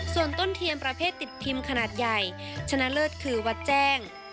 ส่วนต้นเทียนประเภทติดพิมพ์ขนาดใหญ่ชนะเลิศคือวัดแจ้ง